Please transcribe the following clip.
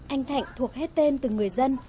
anh thạnh thuộc hết tên từng người dân